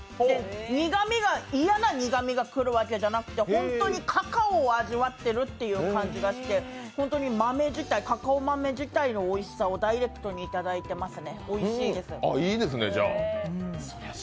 苦みが嫌な苦みが来るわけじゃなくて本当にカカオを味わっているという感じがして本当に豆自体、カカオ豆自体のおいしさをダイレクトにいただいてますね。